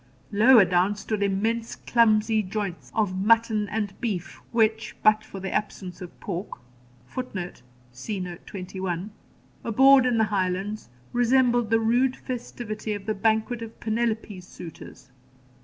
Lower down stood immense clumsy joints of mutton and beef, which, but for the absence of pork, [Footnote: See Note 21.] abhorred in the Highlands, resembled the rude festivity of the banquet of Penelope's suitors.